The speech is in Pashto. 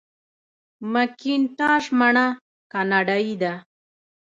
مکینټاش مڼه کاناډايي ده.